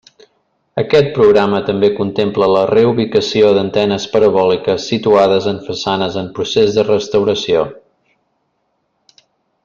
Aquest programa també contempla la reubicació d'antenes parabòliques situades en façanes en procés de restauració.